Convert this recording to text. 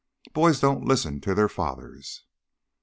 Boys don't listen to their fathers."